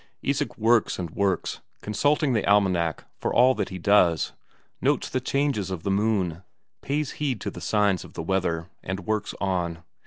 Isak works and works, consulting the almanac for all that he does, notes the changes of the moon, pays heed to the signs of the weather, and works on.